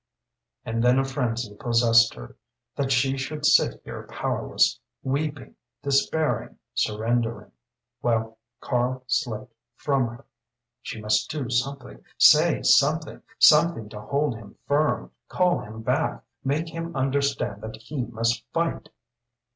And then a frenzy possessed her. That she should sit here powerless weeping despairing, surrendering, while Karl slipped from her! She must do something say something something to hold him firm call him back make him understand that he must fight!